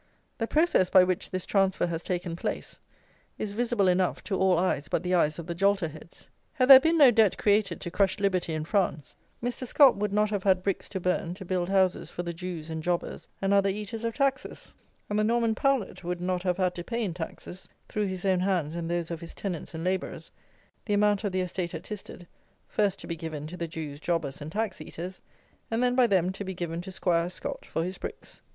The process by which this transfer has taken place is visible enough, to all eyes but the eyes of the jolterheads. Had there been no Debt created to crush liberty in France and to keep down reformers in England, Mr. Scot would not have had bricks to burn to build houses for the Jews and jobbers and other eaters of taxes; and the Norman Powlet would not have had to pay in taxes, through his own hands and those of his tenants and labourers, the amount of the estate at Tisted, first to be given to the Jews, jobbers, and tax eaters, and then by them to be given to "'Squire Scot" for his bricks.